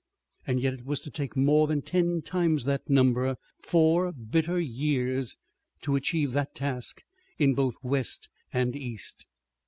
And yet it was to take more than ten times that number four bitter years to achieve the task in both west and east.